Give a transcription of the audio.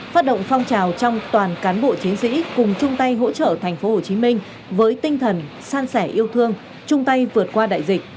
phát động phong trào trong toàn cán bộ chiến sĩ cùng chung tay hỗ trợ tp hcm với tinh thần san sẻ yêu thương chung tay vượt qua đại dịch